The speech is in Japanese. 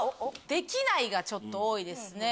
「できない」がちょっと多いですね。